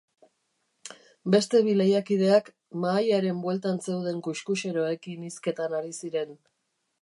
Beste bi lehiakideak mahaiaren bueltan zeuden kuxkuxeroekin hizketan ari ziren.